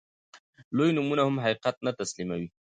لوی نومونه هم حقيقت نه تسليموي.